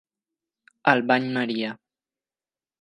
Al bany maria.